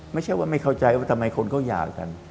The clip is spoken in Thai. ไม่ใช่ว่าไม่เข้าใจว่าทำไมคนเขาหย่ากัน